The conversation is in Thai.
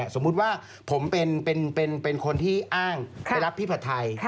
สมมุติว่าผมเป็นคนที่อ้างไปรับพี่ผัดไทย